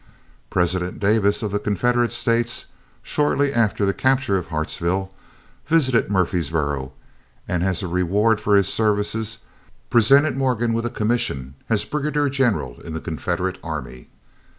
President Davis of the Confederate States, shortly after the capture of Hartsville, visited Murfreesboro, and as a reward for his services, presented Morgan with a commission as Brigadier General in the Confederate army.